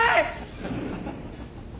ハハハハ。